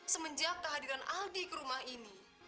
semenjak kehadiran aldi ke rumah ini